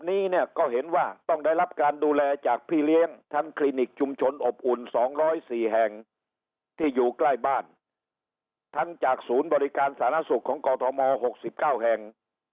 นี้เนี่ยก็เห็นว่าต้องได้รับการดูแลจากพี่เลี้ยงทั้งคลินิกชุมชนอบอุ่น๒๐๔แห่งที่อยู่ใกล้บ้านทั้งจากศูนย์บริการสาธารณสุขของกอทม๖๙แห่ง